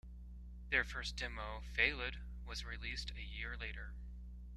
Their first demo, "Feiled", was released a year later.